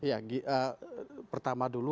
ya pertama dulu